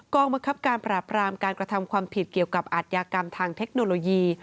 บังคับการปราบรามการกระทำความผิดเกี่ยวกับอาทยากรรมทางเทคโนโลยี